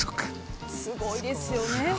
すごいですよね。